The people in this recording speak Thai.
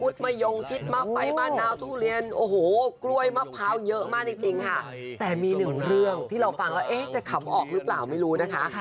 แต่มีหนึ่งเรื่องที่เราฟังแล้วจะขำออกหรือเปล่าไม่รู้นะคะ